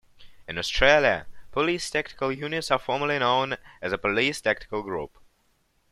In Australia, police tactical units are formally known as a police tactical group.